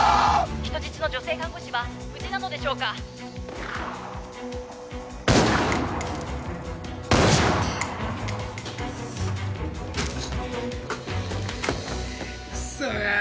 人質の女性看護師は無事なのでしょうかクソがー！